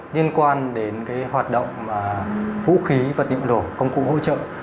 liên quan đến hoạt động vũ khí vật liệu nổ công cụ hỗ trợ